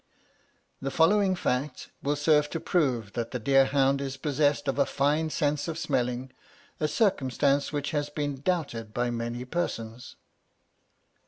The following fact will serve to prove that the deer hound is possessed of a fine sense of smelling, a circumstance which has been doubted by many persons.